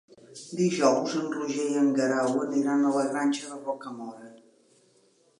Dijous en Roger i en Guerau aniran a la Granja de Rocamora.